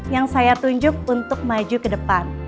yang saya tunjuk untuk maju ke depan